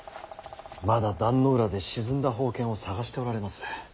まだ壇ノ浦で沈んだ宝剣を捜しておられます。